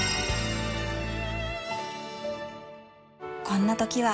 こんな時は。